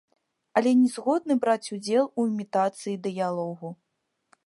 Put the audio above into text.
Але не згодны браць удзел у імітацыі дыялогу.